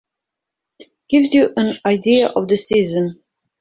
Gives you an idea of the season.